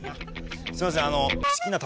すいませんあの。